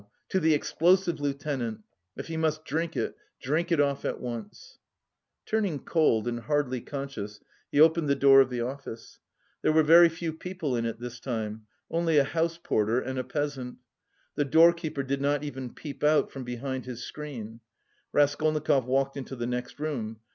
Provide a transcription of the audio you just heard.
To the "explosive lieutenant"! If he must drink it, drink it off at once. Turning cold and hardly conscious, he opened the door of the office. There were very few people in it this time only a house porter and a peasant. The doorkeeper did not even peep out from behind his screen. Raskolnikov walked into the next room.